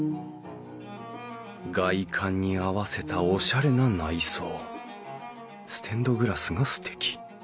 外観に合わせたオシャレな内装ステンドグラスがすてき。